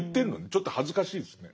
ちょっと恥ずかしいですね。